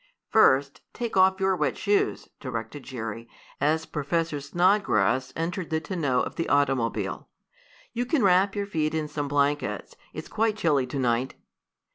"First take off your wet shoes," directed Jerry, as Professor Snodgrass entered the tonneau of the automobile. "You can wrap your feet in some blankets. It's quite chilly to night."